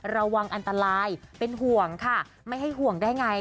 ระวังอันตรายเป็นห่วงค่ะไม่ให้ห่วงได้ไง